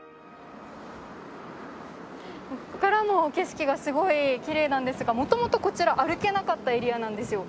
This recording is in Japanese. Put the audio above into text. ここからの景色がすごいきれいなんですが元々こちら歩けなかったエリアなんですよ。